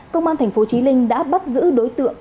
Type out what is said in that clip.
công an tp chí linh đã bắt giữ đối tượng